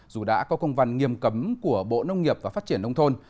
dù đã có công văn nghiêm cấm của bộ nông nghiệp và phát triển nông thôn